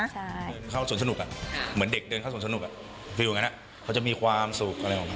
เดินเข้าสวนสนุกเหมือนเด็กเดินเข้าสวนสนุกวิวอย่างนั้นเขาจะมีความสุขอะไรออกมา